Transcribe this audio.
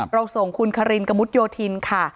ส่งคุณคารินกระมุดโยธินค่ะ